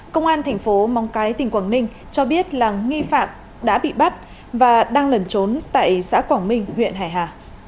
công an thành phố móng cái tỉnh quảng ninh cho biết là nghi phạm đã bị bắt và đang lẩn trốn tại xã quảng minh huyện hải hà